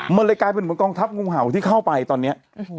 มันเลยกลายเป็นเหมือนกองทัพงูเห่าที่เข้าไปตอนนี้